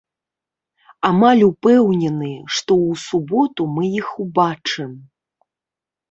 Амаль упэўнены, што у суботу мы іх убачым.